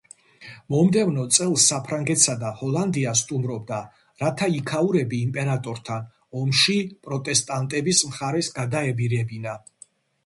მომდევნო წელს საფრანგეთსა და ჰოლანდიას სტუმრობდა, რათა იქაურები იმპერატორთან ომში პროტესტანტების მხარეს გადაებირებინა.